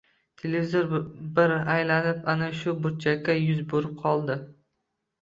Televizor bir aylanib... ana shu burchakka yuz burib qoldi!